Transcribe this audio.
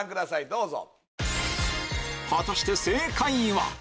どうぞ。